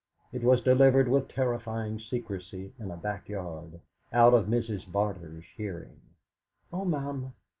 It was delivered with terrified secrecy in a back yard, out of Mrs. Barter's hearing. "Oh, ma'am!